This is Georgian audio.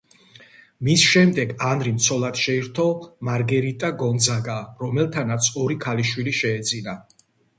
მის შემდეგ ანრიმ ცოლად შეირთო მარგერიტა გონძაგა, რომელთანაც ორი ქალიშვილი შეეძინა.